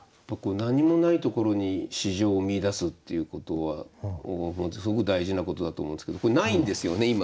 僕何もないところに詩情を見いだすっていうことはすごく大事なことだと思うんですけどこれないんですよね？